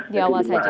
di awal saja